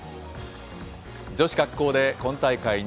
女子滑降で今大会